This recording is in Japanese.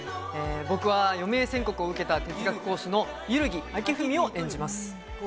僕は余命宣告を受けた哲学講師の萬木昭史を演じます。